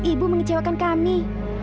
ibu mengecewakan kami